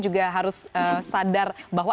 juga harus sadar bahwa